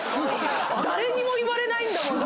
誰にも言われないんだもん。